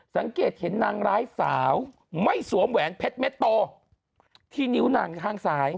สังเกตเห็นนางร้ายสาวไม่สวมแหวนเพชรเม็ดโตที่นิ้วนางข้างซ้าย